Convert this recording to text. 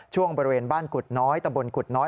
บริเวณบ้านกุฎน้อยตะบนกุฎน้อย